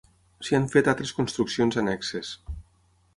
S'hi han fet altres construccions annexes.